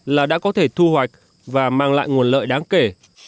là đã có thể thu hoạch và mang lại nguồn lợi đáng kể